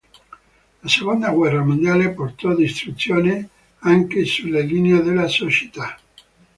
La seconda guerra mondiale portò distruzione anche sulle linee della Società.